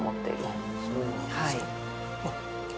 あっそうなんですか。